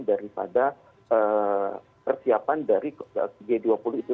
daripada persiapan dari g dua puluh itu